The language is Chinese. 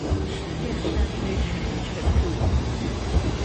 石见山吹城城主。